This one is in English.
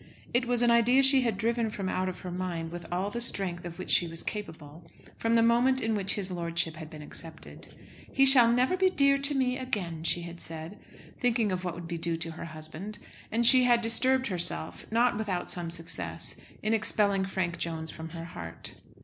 It was an idea she had driven from out of her mind with all the strength of which she was capable from the moment in which his lordship had been accepted. "He never shall be dear to me again," she had said, thinking of what would be due to her husband; and she had disturbed herself, not without some success, in expelling Frank Jones from her heart.